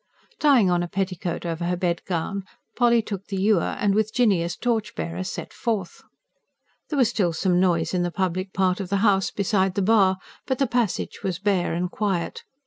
Tying on a petticoat over her bedgown, Polly took the ewer, and with Jinny as torch bearer set forth. There was still some noise in the public part of the house, beside the bar; but the passage was bare and quiet.